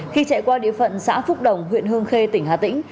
khi chạy qua địa phận xã phúc đồng huyện hương khê tỉnh hà tĩnh